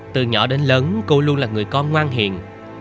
từ nhỏ đến lớn cô luôn là người con ngoan hiện